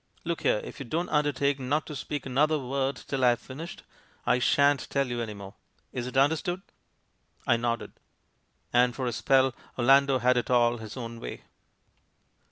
Look here! if you don't under take not to speak another word till I've finished, I shan't tell you any more. Is it understood?" I nodded. And for a speU Orlando had it all his own way.